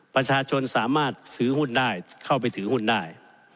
ประชาชนสามารถซื้อหุ้นได้เข้าไปถือหุ้นได้